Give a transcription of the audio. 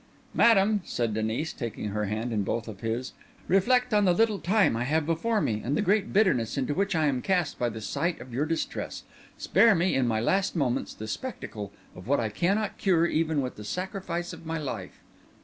"Madam," said Denis, taking her hand in both of his, "reflect on the little time I have before me, and the great bitterness into which I am cast by the sight of your distress. Spare me, in my last moments, the spectacle of what I cannot cure even with the sacrifice of my life."